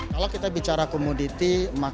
kalau kita bicara komoditi